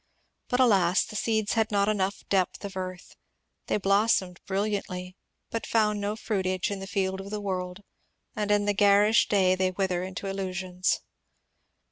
But alas, the seeds had not enough depth t>{ earth ; they blossomed brilliantly, but foimd no fruitage in the field of the world, and in the garish day they wither into illusions.